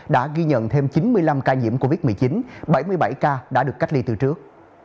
đã ghi nhận thêm chín mươi năm ca nhiễm covid một mươi chín bảy mươi bảy ca đã được cách ly từ trước